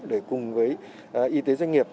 để cùng với y tế doanh nghiệp